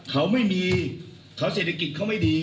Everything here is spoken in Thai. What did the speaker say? เขาไม่มีเขาเศรษฐกิจเขาไม่ดี